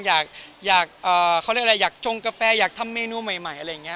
อยากช่องกาแฟอยากทำเมนูใหม่อะไรอย่างนี้